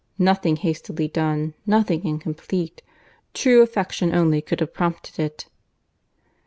Nothing hastily done; nothing incomplete. True affection only could have prompted it."